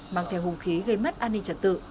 mang theo hùng khí gây mất an ninh trật tự